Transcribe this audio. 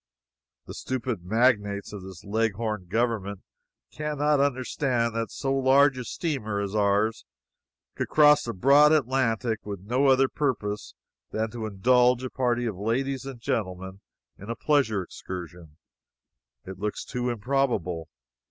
The stupid magnates of this Leghorn government can not understand that so large a steamer as ours could cross the broad Atlantic with no other purpose than to indulge a party of ladies and gentlemen in a pleasure excursion. It looks too improbable.